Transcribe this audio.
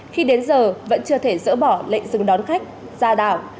khi đến giờ vẫn chưa thể dỡ bỏ lệnh dừng đón khách ra đảo